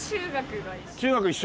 中学が一緒。